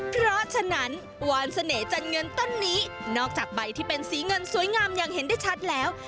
เพราะฉะนั้นวานเสน่หจันเงินต้นนี้นอกจากใบที่เป็นสีเงินสวยงามอย่างเห็นได้ชัดแล้ว